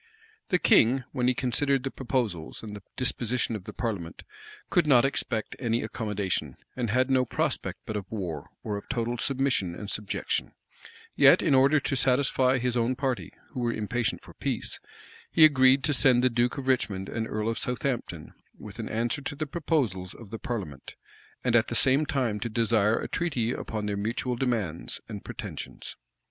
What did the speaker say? The king, when he considered the proposals, and the disposition of the parliament, could not expect any accommodation, and had no prospect but of war, or of total submission and subjection: yet, in order to satisfy his own party, who were impatient for peace, he agreed to send the duke of Richmond and earl of Southampton with an answer to the proposals of the parliament, and at the same time to desire a treaty upon their mutual demands and pretensions.